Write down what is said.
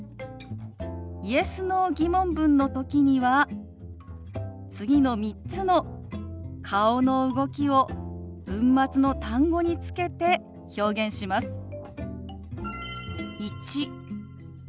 Ｙｅｓ／Ｎｏ−疑問文の時には次の３つの顔の動きを文末の単語につけて表現します。